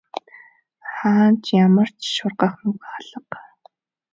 Хаана ч ямар ч шургах нүх алга.